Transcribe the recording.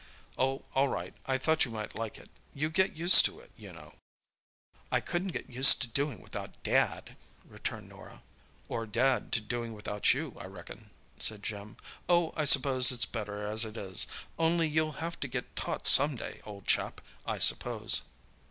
"Oh, all right; I thought you might like it. You get used to it, you know." "I couldn't get used to doing without Dad," returned Norah. "Or Dad to doing without you, I reckon," said Jim. "Oh, I suppose it's better as it is—only you'll have to get taught some day, old chap, I suppose."